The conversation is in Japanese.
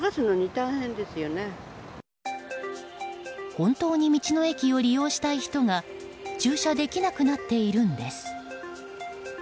本当に道の駅を利用したい人が駐車できなくなっているのです。